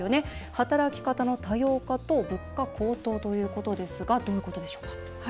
働き方の多様化と物価高騰ということですがどういうことでしょうか？